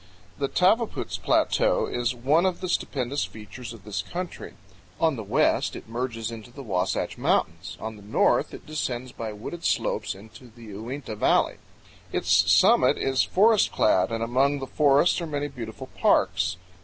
The Tavaputs Plateau is one of the stupendous features of this country. On the west it merges into the Wasatch Mountains; on the north it descends by wooded slopes into the Uinta Valley. Its summit is forest clad and among the forests are many beautiful parks.